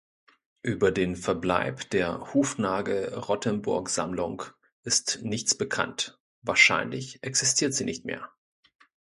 Über den Verbleib der Hufnagel-Rottemburg-Sammlung ist nichts bekannt; wahrscheinlich existiert sie nicht mehr.